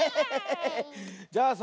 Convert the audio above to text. じゃあさ